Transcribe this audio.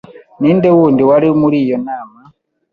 Ninde wundi wari muri iyo nama?